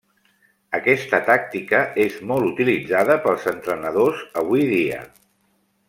Aquesta tàctica és molt utilitzada pels entrenadors avui dia.